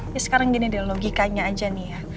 ini sekarang gini deh logikanya aja nih ya